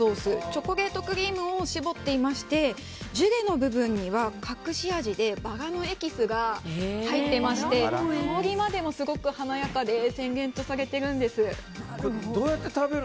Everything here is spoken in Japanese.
チョコレートクリームを絞っていましてジュレの部分には隠し味でバラのエキスが入っていまして香りもすごく華やかで洗練されているんです。